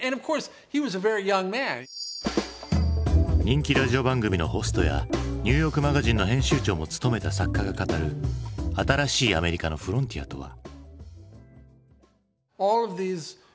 人気ラジオ番組のホストや「ニューヨークマガジン」の編集長も務めた作家が語る新しいアメリカのフロンティアとは。